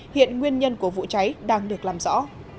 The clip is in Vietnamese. hiện nguyên nhân của vụ cháy đang được làm rõ